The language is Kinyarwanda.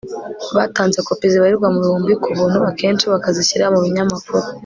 batanze kopi zibarirwa mu bihumbi ku buntu akenshi bakazishyira mu binyamakuru